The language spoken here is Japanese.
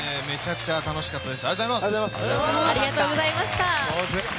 めちゃくちゃ楽しかったです。